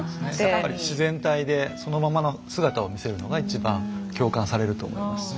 やっぱり自然体でそのままの姿を見せるのが一番共感されると思いますね。